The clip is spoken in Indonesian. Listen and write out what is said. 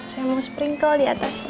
saya mau sprinkle di atas aja